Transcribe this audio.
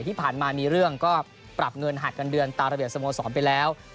ที่ผ่านมามีเรื่องก็ปรับเงินหักเงินเดือนตามระเบียบสโมสรไปแล้ว